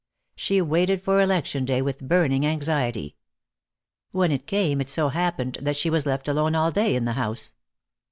She waited for election day with burning anxiety. When it came it so happened that she was left alone all day in the house.